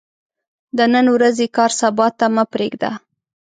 د نن ورځې کار سبا ته مه پريږده